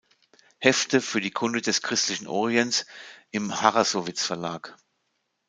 Hefte für die Kunde des christlichen Orients" im Harrassowitz Verlag.